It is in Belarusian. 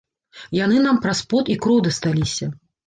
Яны нам праз пот і кроў дасталіся.